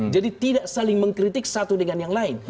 jadi tidak saling mengkritik satu dengan yang lain